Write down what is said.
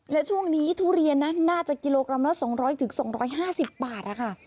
และช่วงนี้ทุเรียนน่าจะกิโลกรัมละสองร้อยถึงสองร้อยห้าสิบบาทค่ะ